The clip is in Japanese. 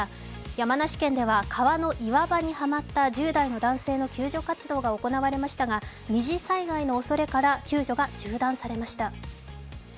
山梨県では川の岩場にはまった１０代の男性の救助活動が行われましたが二次災害のおそれから救助が中断されました。